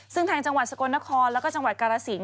ซึ่งทางจังหวัดสกลนครแล้วก็จังหวัดกาลสิน